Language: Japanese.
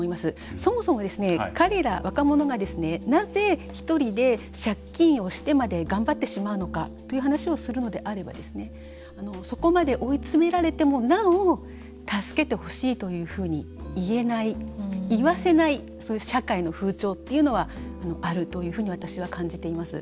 そもそも彼ら、若者がなぜ１人で借金をしてまで頑張ってしまうのかという話をするのであればそこまで追い詰められてもなお助けてほしいというふうに言えない、言わせないそういう社会の風潮っていうのはあるというふうに私は感じています。